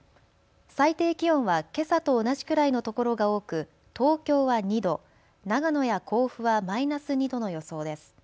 最低気温はけさと同じくらいのところが多く東京は２度、長野や甲府はマイナス２度の予想です。